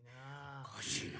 おかしいな？